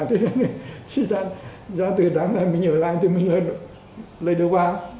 thế nên là ra từ đám này mình ở lại thì mình lại đưa vào